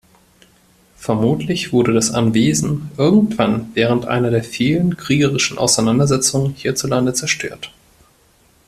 Vermutlich wurde das Anwesen irgendwann während einer der vielen kriegerischen Auseinandersetzungen hierzulande zerstört.